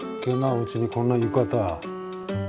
うちにこんな浴衣。